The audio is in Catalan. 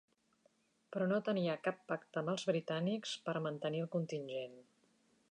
Però no tenia cap pacte amb els britànics per mantenir el contingent.